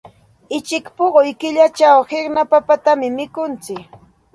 Uchik puquy killachaq qiqna papatam mikuntsik.